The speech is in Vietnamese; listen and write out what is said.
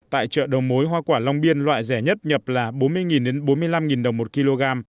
tại chợ đầu mối hoa quả long biên loại rẻ nhất nhập là bốn mươi bốn mươi năm đồng một kg